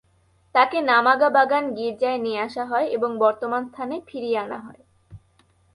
তাঁকে নামাগাবাগান গির্জায় নিয়ে আসা হয় এবং বর্তমান স্থানে ফিরিয়ে আনা হয়।